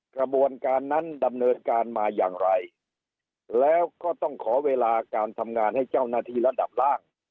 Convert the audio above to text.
กระบวนการนั้นดำเนินการมาอย่างไรแล้วก็ต้องขอเวลาการทำงานให้เจ้าหน้าที่ระดับล่าง